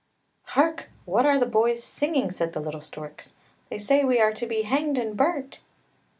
" Hark! what are the boys singing? " said the little storks; " they say we are to be hanged and burnt!